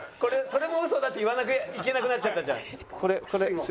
それもウソだって言わなきゃいけなくなっちゃったじゃん。